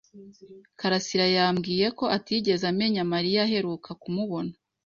karasira yambwiye ko atigeze amenya Mariya aheruka kumubona.